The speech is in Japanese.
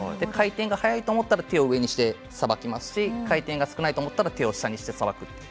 回転が速いと思ったら手を上にして、さばきますし回転が少ないと思ったら手を下にしてさばく。